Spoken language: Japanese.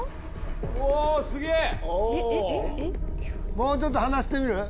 もうちょっと離してみる？